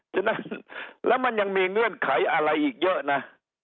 ฉะนั้นแล้วมันยังมีเงื่อนไขอะไรอีกเยอะนะ